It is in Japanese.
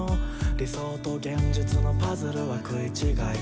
「理想と現実のパズルは食い違い」